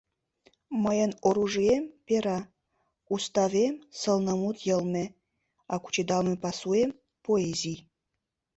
Мыйын оружием — пера, уставем — сылнымут йылме, а кучедалме пасуэм — поэзий...»